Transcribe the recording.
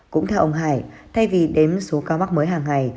cũng theo ông hải thay vì đếm số ca mắc mới hàng ngày